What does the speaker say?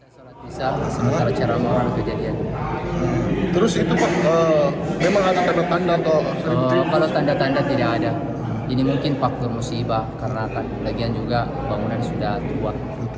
kalau tanda tanda tidak ada ini mungkin faktor musibah karena akan lagian juga bangunan sudah tua